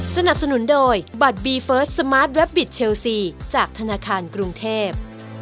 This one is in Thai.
สนับสนุนโดยบัตรบีเฟิร์สสมาร์ทแวบบิตเชลซีจากธนาคารกรุงเทพ